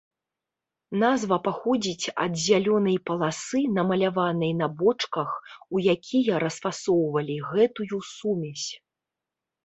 Назва паходзіць ад зялёнай паласы, намаляванай на бочках, у якія расфасоўвалі гэтую сумесь.